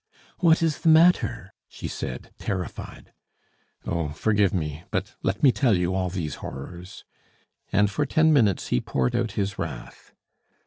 "What is the matter?" she said, terrified. "Oh, forgive me but let me tell you all these horrors." And for ten minutes he poured out his wrath.